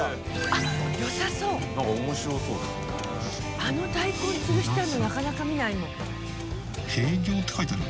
あの大根つるしてあるのなかなか見ないもん。